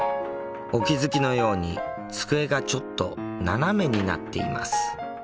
お気付きのように机がちょっと斜めになっています。